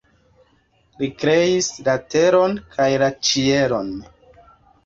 Li kreis la teron kaj la ĉielon.